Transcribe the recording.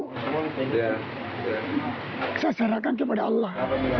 saya sarankan kepada allah